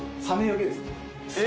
えっ？